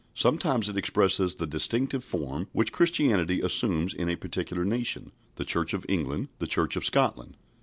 Sometimes it expresses the distinctive form which Christianity assumes in a particular nation the Church of England, the Church of Scotland.